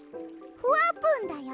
ふわぷんだよ。